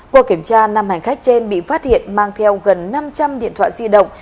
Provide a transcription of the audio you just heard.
qua kiểm tra năm hành khách trên bị phát hiện mang theo gần năm trăm linh điện thoại di động